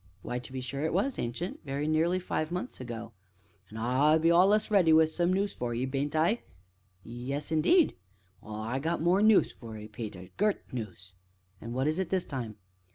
"Why, to be sure it was, Ancient, very nearly five months ago." "An' I be allus ready wi' some noos for ye, bean't I?" "Yes, indeed!" "Well, I got more noos for 'ee, Peter gert noos!" "And what is it this time?"